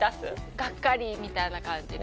がっかりみたいな感じで。